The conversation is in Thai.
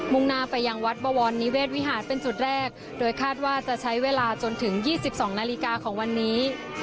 งหน้าไปยังวัดบวรนิเวศวิหารเป็นจุดแรกโดยคาดว่าจะใช้เวลาจนถึง๒๒นาฬิกาของวันนี้